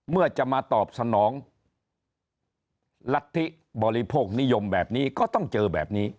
เมื่อจะมาตอบสนองรัฐธิบริโภคนิยมแบบนี้ก็ต้องเจอแบบนี้